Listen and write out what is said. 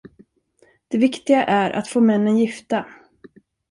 Det viktiga är att få männen gifta.